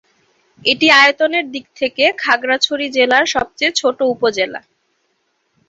এটি আয়তনের দিক থেকে খাগড়াছড়ি জেলার সবচেয়ে ছোট উপজেলা।